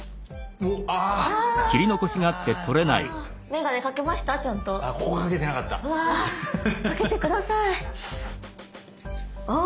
うわかけて下さい。